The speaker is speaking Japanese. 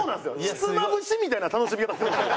ひつまぶしみたいな楽しみ方するんですよ。